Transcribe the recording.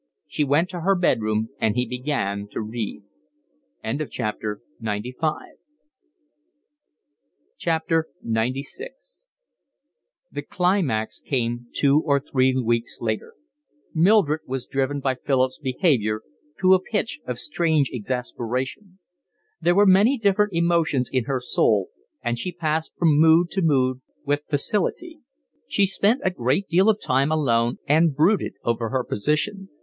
She went to her bed room and he began to read. XCVI The climax came two or three weeks later. Mildred was driven by Philip's behaviour to a pitch of strange exasperation. There were many different emotions in her soul, and she passed from mood to mood with facility. She spent a great deal of time alone and brooded over her position.